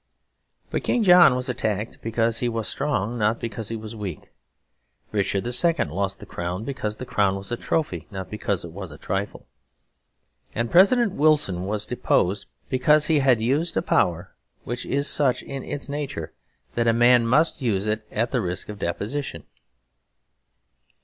But King John was attacked because he was strong, not because he was weak. Richard the Second lost the crown because the crown was a trophy, not because it was a trifle. And President Wilson was deposed because he had used a power which is such, in its nature, that a man must use it at the risk of deposition.